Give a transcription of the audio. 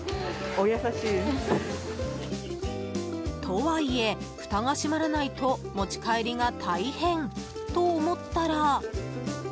とはいえ、ふたが閉まらないと持ち帰りが大変と思ったら。